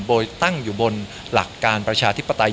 โดยตั้งอยู่บนหลักการประชาธิปไตย